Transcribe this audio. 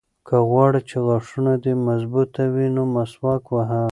که غواړې چې غاښونه دې مضبوط وي نو مسواک وهه.